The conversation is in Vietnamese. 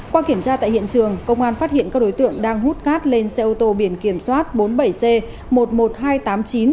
qua kiểm tra tại hiện trường công an phát hiện các đối tượng đang hút cát lên xe ô tô biển kiểm soát bốn mươi bảy c một mươi một nghìn hai trăm tám mươi chín